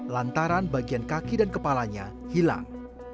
lantaran bagian kaki dan kepalanya hilang